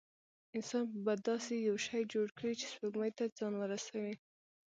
انسان به داسې یو شی جوړ کړي چې سپوږمۍ ته ځان ورسوي.